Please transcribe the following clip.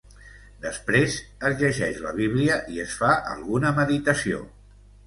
Després, es llegeix la Bíblia i es fa alguna meditació.